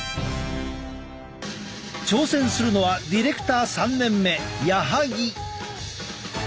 挑戦するのはディレクター３年目矢萩。